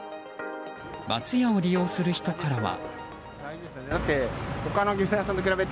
松屋を利用する人からは。